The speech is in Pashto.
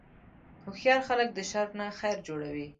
هوښیار خلک د شر نه خیر جوړوي.